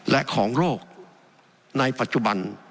และของโรคในปัจจุบัน